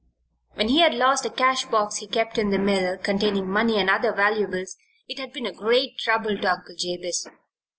When he had lost a cash box he kept in the mill, containing money and other valuables, it had been a great trouble to Uncle Jabez.